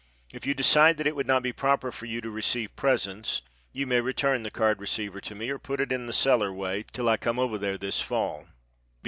If you decide that it would not be proper for you to receive presents, you may return the card receiver to me, or put it in the cellar way till I come over there this fall.